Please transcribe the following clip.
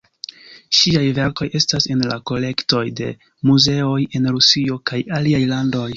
Ŝiaj verkoj estas en la kolektoj de muzeoj en Rusio kaj aliaj landoj.